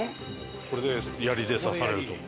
これでやりで刺されると思う。